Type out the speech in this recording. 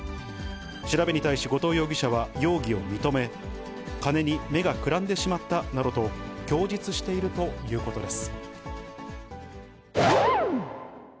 調べに対し、後藤容疑者は容疑を認め、金に目がくらんでしまったなどと供述しているということです。